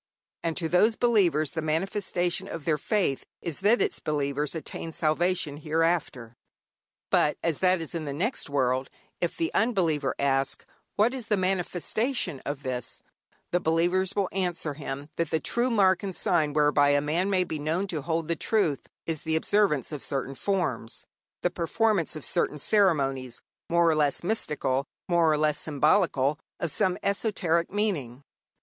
And to these believers the manifestation of their faith is that its believers attain salvation hereafter. But as that is in the next world, if the unbeliever ask what is the manifestation in this, the believers will answer him that the true mark and sign whereby a man may be known to hold the truth is the observance of certain forms, the performance of certain ceremonies, more or less mystical, more or less symbolical, of some esoteric meaning.